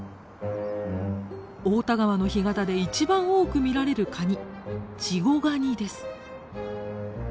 太田川の干潟でいちばん多く見られるカニ